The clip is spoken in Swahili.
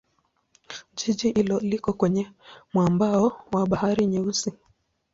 Jiji hilo liko kwenye mwambao wa Bahari Nyeusi.